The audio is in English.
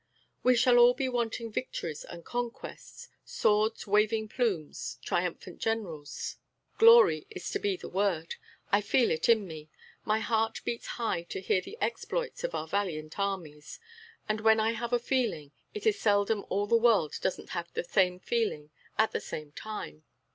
"We shall all be wanting victories and conquests, swords, waving plumes, triumphant generals. Glory is to be the word. I feel it in me; my heart beats high to hear the exploits of our valiant armies. And when I have a feeling, it is seldom all the world doesn't have the same feeling at the same time.